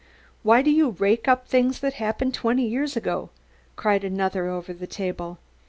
"Why do you rake up things that happened twenty years ago?" cried another over the table.